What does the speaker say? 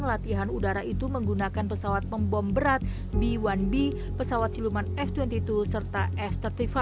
latihan udara itu menggunakan pesawat membom berat b satu b pesawat siluman f dua puluh dua serta f tiga puluh lima